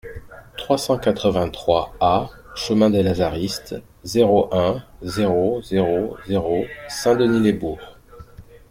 trois cent quatre-vingt-trois A chemin des Lazaristes, zéro un, zéro zéro zéro Saint-Denis-lès-Bourg